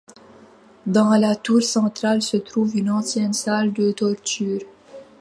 Dans la tour centrale se trouve une ancienne salle de torture.